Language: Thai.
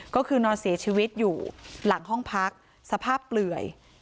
ก็คือนอนเสียชีวิตอยู่หลังห้องพักสภาพเปลื่อย